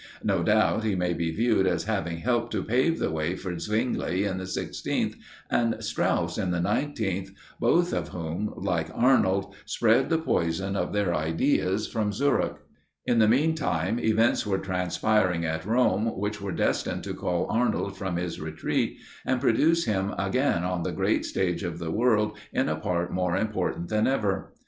No doubt, he may be viewed as having helped to pave the way for Zwingli in the 16th, and Strauss in the 19th, both of whom, like Arnold, spread the poison of their ideas from Zurich. In the meantime, events were transpiring at Rome which were destined to call Arnold from his retreat, and produce him again on the great stage of the world in a part more important than ever.